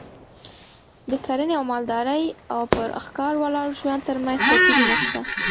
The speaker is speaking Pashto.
د کرنې او مالدارۍ او پر ښکار ولاړ ژوند ترمنځ توپیرونه شته